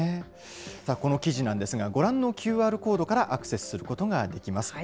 さあ、この記事なんですが、ご覧のＱＲコードからアクセスすることができます。